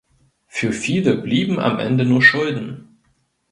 Für viele blieben am Ende nur Schulden.